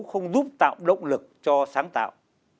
không giúp tạo động lực cho sáng tạo